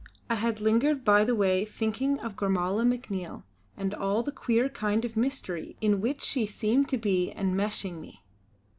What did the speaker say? I had lingered by the way thinking of Gormala MacNiel and all the queer kind of mystery in which she seemed to be enmeshing me.